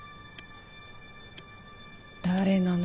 誰なの？